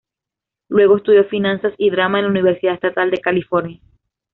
Luego estudió finanzas y drama en la Universidad Estatal de California.